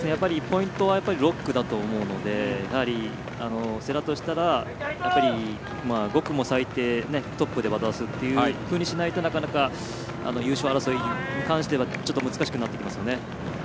ポイントは６区だと思うので世羅としたら、５区も最低トップで渡すようにしないとなかなか、優勝争いに関してはちょっと難しくなってきますよね。